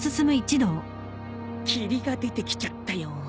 霧が出てきちゃったよ。